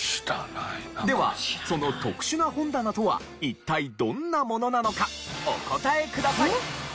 ではその特殊な本棚とは一体どんなものなのかお答えください。